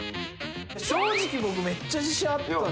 正直僕めっちゃ自信あったんですよ。